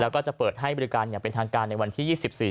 แล้วก็จะเปิดให้บริการอย่างเป็นทางการในวันที่๒๔